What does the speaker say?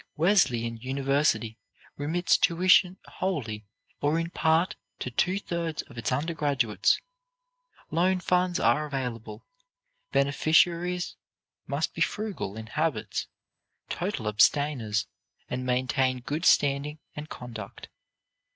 Wesleyan University remits tuition wholly or in part to two thirds of its under graduates. Loan funds are available. "Beneficiaries must be frugal in habits, total abstainers, and maintain good standing and conduct."